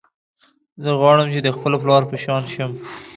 زه غواړم چې د خپل پلار په شان شم